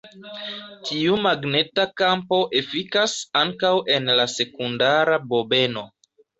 Tiu magneta kampo efikas ankaŭ en la sekundara bobeno.